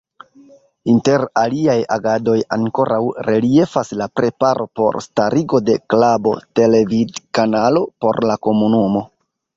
Inter aliaj agadoj ankoraŭ reliefas la preparo por starigo de kablo-televidkanalo por la komunumo.